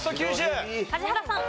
梶原さん。